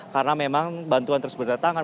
karena memang bantuan terus berdatangan